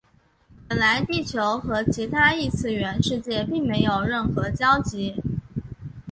本来地球和其他异次元世界并没有任何交集。